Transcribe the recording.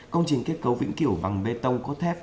công trình kết cấu vĩnh kiểu bằng bê tông cốt thép